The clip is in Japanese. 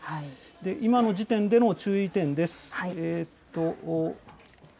今の時点での注意点です。